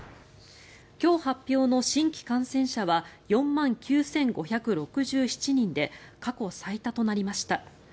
今日発表の新規感染者は４万９５６７人で過去最多となりました。